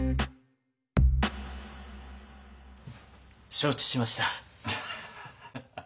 承知しました。